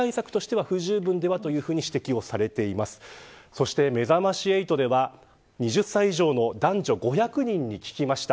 そして、めざまし８では２０歳以上の男女５００人に聞きました。